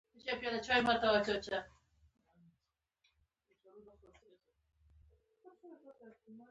آیا دوی اقتصاد ته وده نه ورکوي؟